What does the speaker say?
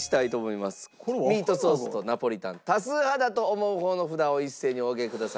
ミートソースとナポリタン多数派だと思う方の札を一斉にお上げください。